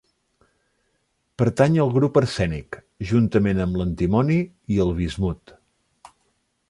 Pertany al grup arsènic, juntament amb l'antimoni i el bismut.